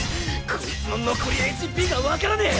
こいつの残りＨＰが分からねぇ。